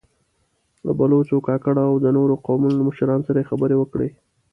له بلوڅو، کاکړو او د نورو قومونو له مشرانو سره يې خبرې وکړې.